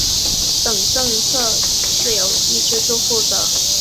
等政策由这一支柱负责。